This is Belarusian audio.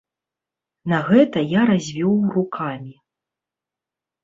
На гэта я развёў рукамі.